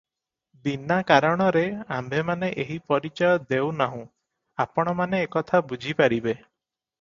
ବିନା କାରଣରେ ଆମ୍ଭେମାନେ ଏହି ପରିଚୟ ଦେଉ ନାହୁଁ, ଆପଣମାନେ ଏ କଥା ବୁଝିପାରିବେ ।